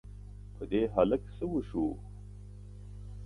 په دې هلک څه وشوو؟!